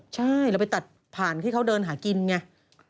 ใช่เราไปตัดผ่านที่เขาเดินหากินไง